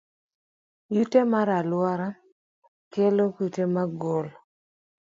Yuto mar alwora kelo kute mag ng'ol.